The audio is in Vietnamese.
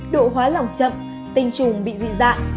độ hóa lỏng chậm tinh trùng bị dị dạng